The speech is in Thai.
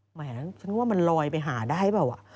หมายถึงว่ามันลอยไปหาได้เปล่า